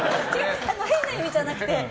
変な意味じゃなくて。